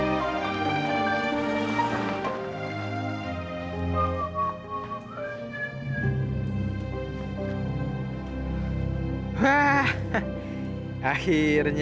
oh anjay tersendiri